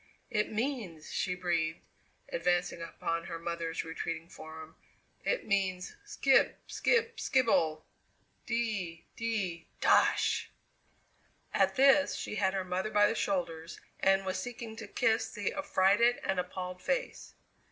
"It means," she breathed, advancing upon her mother's retreating form, "it means skib, skib, skibble de de dosh!" At this she had her mother by the shoulders and was seeking to kiss the affrighted and appalled face.